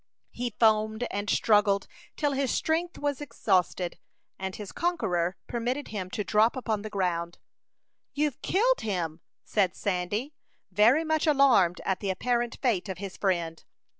He foamed and struggled till his strength was exhausted, and his conqueror permitted him to drop upon the ground. "You've killed him," said Sandy, very much alarmed at the apparent fate of his friend.